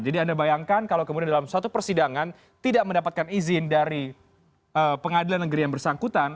jadi anda bayangkan kalau kemudian dalam suatu persidangan tidak mendapatkan izin dari pengadilan negeri yang bersangkutan